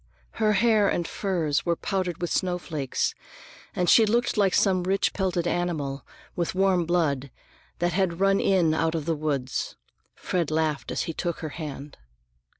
Her hair and furs were powdered with snowflakes, and she looked like some rich pelted animal, with warm blood, that had run in out of the woods. Fred laughed as he took her hand.